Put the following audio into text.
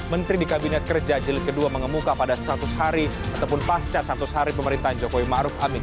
menteri di kabinet kerja jelit kedua mengemuka pada seratus hari ataupun pasca seratus hari pemerintahan jokowi maruf amin